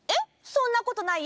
そんなことないよ！